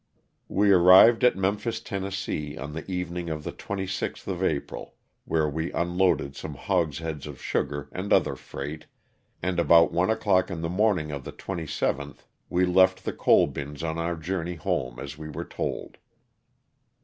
We arrived at Memphis, 13 98 LOSS OF THE StJLTANA. Tenn., on the evening of the 26th of April where we unloaded some hogsheads of sugar and other freight, and about one o'clock in the morning of the 27th we left the coal bins on our journey home as we were told.